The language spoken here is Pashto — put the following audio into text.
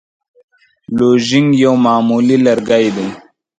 لوژینګ یو معمولي لرګی دی.